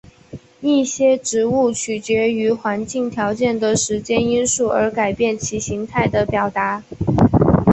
一些植物取决于环境条件的时间因素而改变其形态的表达。